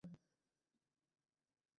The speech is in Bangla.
কোনোই উত্তর পাওয়া গেল না।